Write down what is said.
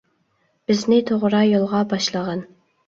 بىزنى توغرا يولغا باشلىغىن،